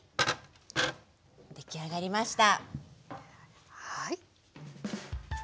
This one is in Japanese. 出来上がりました。